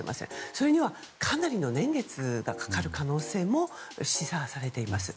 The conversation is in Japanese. それには、かなりの年月がかかる可能性も示唆されています。